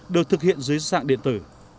được thực hiện dưới dạng điện tử